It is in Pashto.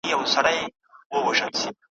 فېشن د هر نوي دور جامه ده ,